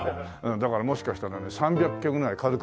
だからもしかしたらね３００キロぐらい軽く持ち上げる。